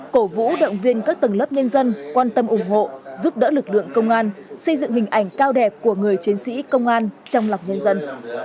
cổ vũ động viên các tầng lớp nhân dân quan tâm ủng hộ giúp đỡ lực lượng công an xây dựng hình ảnh cao đẹp của người chiến sĩ công an trong lòng nhân dân